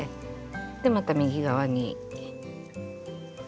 でまた右側に。